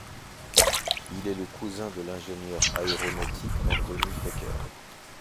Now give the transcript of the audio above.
Il est le cousin de l'ingénieur aéronautique Anthony Fokker.